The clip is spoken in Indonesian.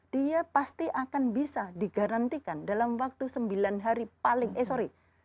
dia pasti akan bisa digarantikan dalam waktu sembilan hari paling eh sorry